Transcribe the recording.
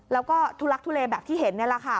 แล้วก็ทุลักทุเลแบบที่เห็นนี่แหละค่ะ